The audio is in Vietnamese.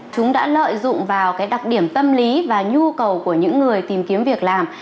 chúng đã lợi dụng vào đặc điểm tâm lý và nhu cầu của những người tìm kiếm việc làm